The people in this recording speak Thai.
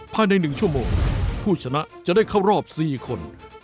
ภายใน๑ชั่วโมงผู้ชนะจะได้เข้ารอบ๔คน